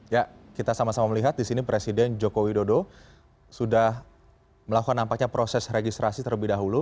ya kita sama sama melihat di sini presiden joko widodo sudah melakukan nampaknya proses registrasi terlebih dahulu